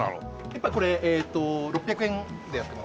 １杯これえっと６００円でやってます。